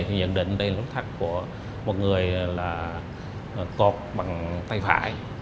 thì nhận định đây là nút thắt của một người là cọp bằng tay phải